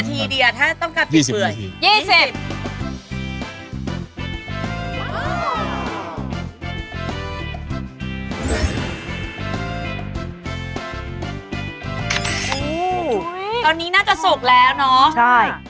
ตอนนี้น่ากระสุกแล้วเนาะ